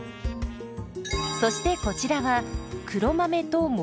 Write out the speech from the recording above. そしてこちらは黒豆ともち。